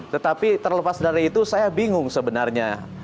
tetapi terlepas dari itu saya bingung sebenarnya